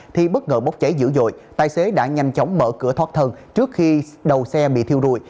thì bất ngờ bốc cháy dữ dội tài xế đã nhanh chóng mở cửa thoát thân trước khi đầu xe bị thiêu rụi